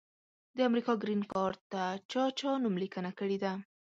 د امریکا ګرین کارټ ته چا چا نوملیکنه کړي ده؟